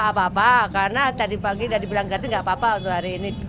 tidak apa apa karena tadi pagi tadi bilang gratis tidak apa apa untuk hari ini